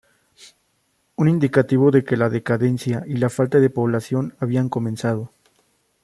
Un indicativo de que la decadencia y la falta de población habían comenzado.